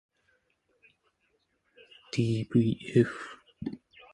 ｄｖｆ